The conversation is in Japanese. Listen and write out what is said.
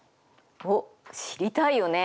おっ知りたいよね？